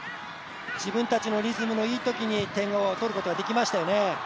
自分たちのリズムのいいときに点を取ることができましたよね。